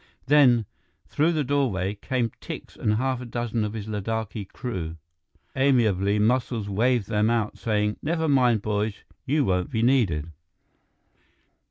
Then, through the doorway, came Tikse and half a dozen of his Ladakhi crew. Amiably, Muscles waved them out, saying, "Never mind, boys, you won't be needed."